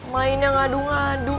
main yang adu adu